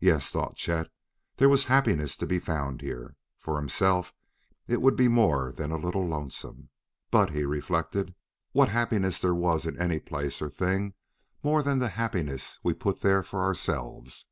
Yes, thought Chet, there was happiness to be found here. For himself, it would be more than a little lonesome. But, he reflected, what happiness was there in any place or thing more than the happiness we put there for ourselves?...